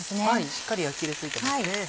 しっかり焼き色ついてますね。